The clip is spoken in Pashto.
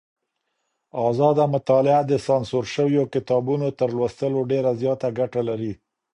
ازاده مطالعه د سانسور شويو کتابونو تر لوستلو ډېره زياته ګټه لري.